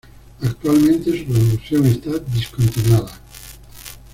Actualmente su producción está discontinuada.